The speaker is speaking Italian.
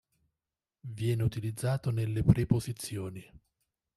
Viene utilizzato nelle preposizioni.